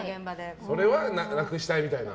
それはなくしたいみたいな。